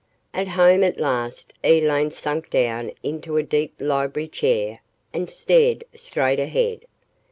At home at last, Elaine sank down into a deep library chair and stared straight ahead.